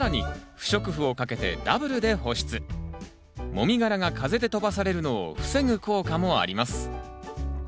もみ殻が風で飛ばされるのを防ぐ効果もあります。